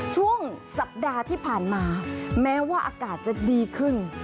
ช่วงสัปดาห์ที่ผ่านมาแม้ว่าอากาศจะดีขึ้น